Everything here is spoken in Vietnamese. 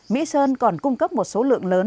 mỹ sơn còn cung cấp một số lượng lớn